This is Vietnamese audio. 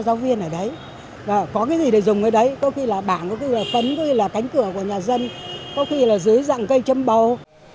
giáo viên ở đấy có cái gì để dùng ở đấy có khi là bảng có khi là phấn có khi là cánh cửa của nhà dân có khi là dưới dạng cây châm bầu